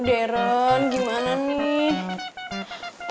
aduh deren gimana nih